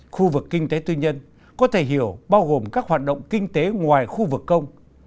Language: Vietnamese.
khu vực kinh tế tư nhân có thể hiểu bao gồm các hoạt động kinh tế ngoài khu vực công